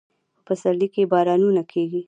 په پسرلي کې بارانونه کیږي